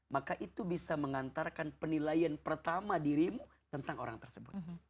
maka itu bisa mengantarkan penilaian pertama dirimu tentang orang tersebut